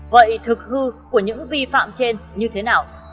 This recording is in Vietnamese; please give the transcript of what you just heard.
vậy thực hư của những vi phạm trên như thế nào